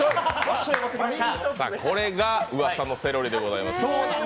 これが、うわさのセロリでございますね。